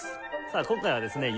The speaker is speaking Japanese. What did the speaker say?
さあ今回はですね